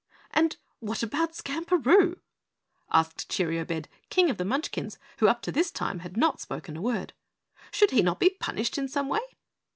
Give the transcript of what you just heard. "And what about Skamperoo?" asked Cheeriobed, King of the Munchkins, who up to this time had not spoken a word. "Should he not be punished in some way?"